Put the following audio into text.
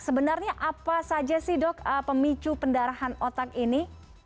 sebenarnya apa saja pemicu pendarahan otak ini